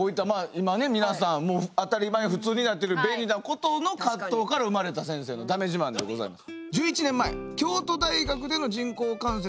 今ね皆さんもう当たり前普通になってる便利なことの葛藤から生まれた先生のだめ自慢でございます。